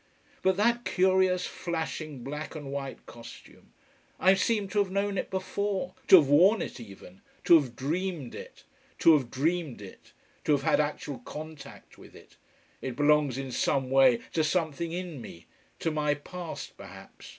But that curious, flashing, black and white costume! I seem to have known it before: to have worn it even: to have dreamed it. To have dreamed it: to have had actual contact with it. It belongs in some way to something in me to my past, perhaps.